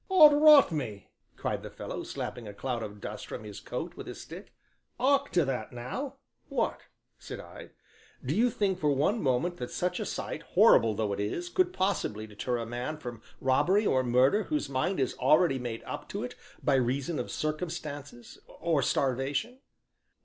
"'Od rot me!" cried the fellow, slapping a cloud of dust from his coat with his stick, "hark to that now." "What?" said I, "do you think for one moment that such a sight, horrible though it is, could possibly deter a man from robbery or murder whose mind is already made up to it by reason of circumstances or starvation?"